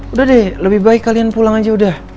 udah deh lebih baik kalian pulang aja udah